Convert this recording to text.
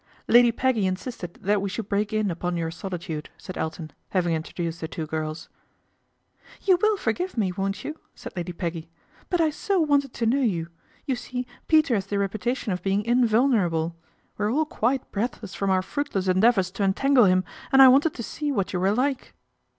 " Lady Peggy insisted that we should break in upon your solitude," said Elton, having intro duced the two girls. "You will forgive me, won't you?" said Lady Peggy, " but I so wanted to know you. You see Peter has the reputation of being invulnerable. We're all quite breathless from our fruitless endeavours to entangle him, and I wanted to see what you were like."